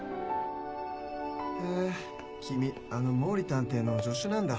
へぇ君あの毛利探偵の助手なんだ。